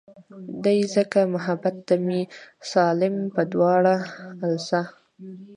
دے ځکه محبت ته مې سالم پۀ دواړه السه